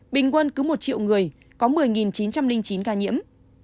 bình quân cứ một triệu người có một mươi chín trăm linh chín ca nhiễm